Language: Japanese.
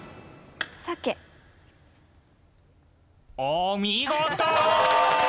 お見事！